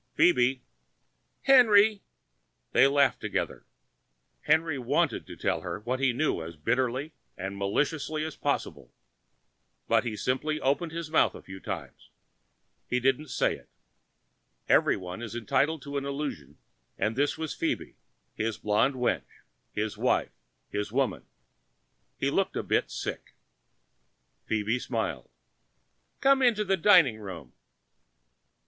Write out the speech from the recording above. "Phoebe ..." "Henry ..." They laughed together. Henry wanted to tell her what he knew as bitterly and maliciously as possible, but he simply opened his mouth a few times. He couldn't say it. Everyone is entitled to an illusion and this was Phoebe, his blonde wench, his wife, his woman. He looked a bit sick. She smiled. "Come into the dining room."